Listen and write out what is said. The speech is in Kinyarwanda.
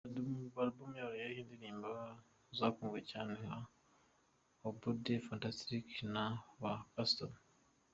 alubumu yabo iriho indirimbo zakunzwe cyane nka Obudde, Fantastic, Ba Customer,.